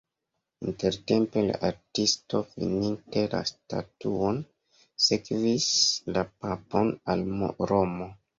Intertempe la artisto fininte la statuon sekvis la papon al Romo.